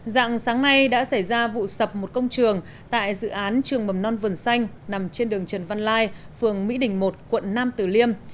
dạng sáng nay đã xảy ra vụ sập một công trường tại dự án trường mầm non vườn xanh nằm trên đường trần văn lai phường mỹ đình một quận nam tử liêm